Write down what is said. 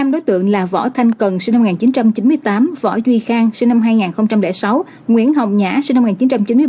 năm đối tượng là võ thanh cần sinh năm một nghìn chín trăm chín mươi tám võ duy khang sinh năm hai nghìn sáu nguyễn hồng nhã sinh năm một nghìn chín trăm chín mươi ba